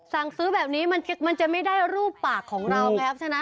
สั่งซื้อแบบนี้มันจะไม่ได้รูปปากของเราไงครับชนะ